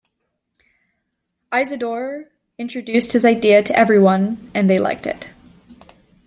Isidor introduced his idea to everyone, and they liked it.